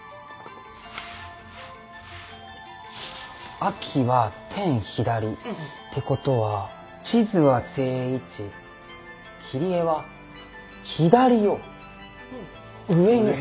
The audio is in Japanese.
秋は「天・左」ってことは地図は正位置切り絵は左を上に。